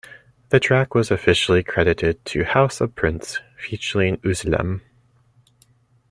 The track was officially credited to House Of Prince featuring Oezlem.